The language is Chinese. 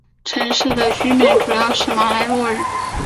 城市的居民主要是马来诺人。